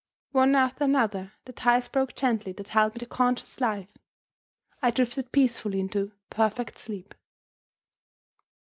One after another, the ties broke gently that held me to conscious life. I drifted peacefully into perfect sleep.